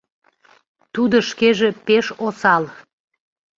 Тудо шкеже пеш осал.